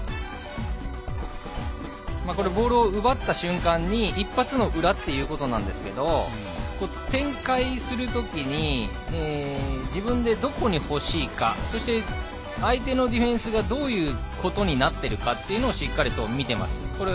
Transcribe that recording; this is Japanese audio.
ボールを奪った瞬間に一発の裏ということなんですけれど展開するときに自分でどこに欲しいかそして相手のディフェンスがどういうことになっているかというのをしっかりと見ています。